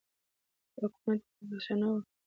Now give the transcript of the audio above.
دا کومه طبیعي پروسه نه وه.